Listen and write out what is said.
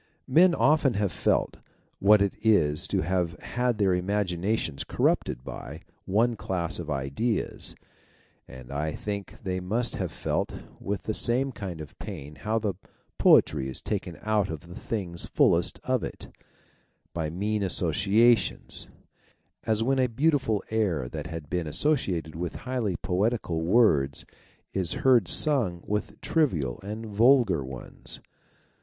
Men have often felt what it is to have had their imagi nations corrupted by one class of ideas, and I think they must have felt with the same kind of pain how the poetry is taken out of the things fullest of it, by mean associations, as when a beautiful air that had been associated with highly poetical words is heard sung with trivial and vulgar ones.